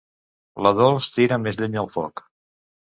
La Dols tira més llenya al foc.